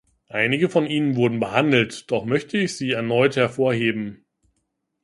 Einige von ihnen wurden behandelt, doch möchte ich sie erneut hervorheben.